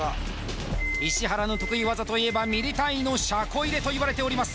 石原の得意技といえばミリ単位の車庫入れといわれております